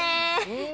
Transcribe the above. うん。